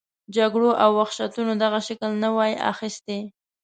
جګړو او وحشتونو دغه شکل نه وای اخیستی.